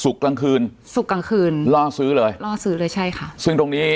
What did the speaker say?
กลางคืนศุกร์กลางคืนล่อซื้อเลยล่อซื้อเลยใช่ค่ะซึ่งตรงนี้